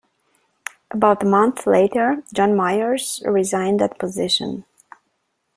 About a month later, John Moyers resigned that position.